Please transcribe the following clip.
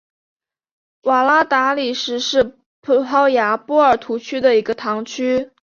瓦拉达里什是葡萄牙波尔图区的一个堂区。